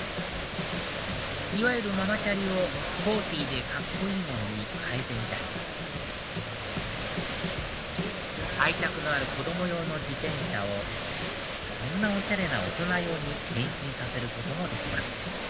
いわゆるママチャリをスポーティーでカッコいいものに替えてみたり愛着のある子供用の自転車をこんなおしゃれな大人用に変身させることもできます